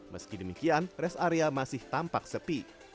meski demikian res area masih tampak sepi